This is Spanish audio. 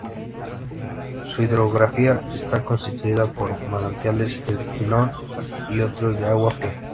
Su hidrografía está constituida por manantiales El Pilón y otros de agua fría.